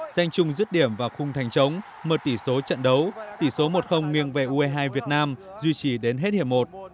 danh chung giết điểm và khung thành chống mở tỷ số trận đấu tỷ số một nghiêng về ue hai việt nam duy trì đến hết hiệp một